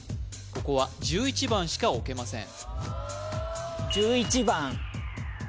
ここは１１番しか置けません